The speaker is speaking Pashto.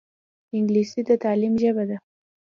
انګلیسي د تعلیم ژبه ده